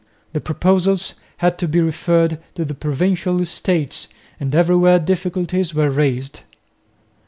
The proposals had to be referred to the provincial estates, and everywhere difficulties were raised.